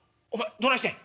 どないしてん。